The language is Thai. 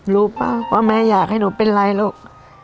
รู้ป่ะว่าแม่อยากให้หนูเป็นไรหรอก